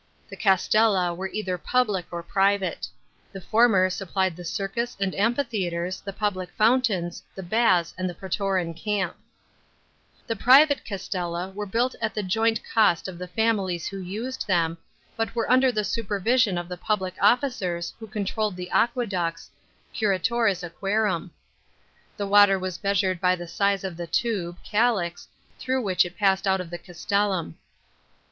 The castella were either public or private. The former supplied the circus and amphitheatres, the public fountains, the baths, the praetorian camp. * Smith'* Diet, of Antiquities, vol. i. p. 150. t See above, Chap. XXIII. $ 6. CHAP. xxxi. BATHS. 609 The private castella were built at the joint cost of the families who used them, but were under the supervision of the public officers, who controlled the aqueducts (curatores oquarum) The water was measured by the size of the tube (calix) through which it passed out of the casteUum.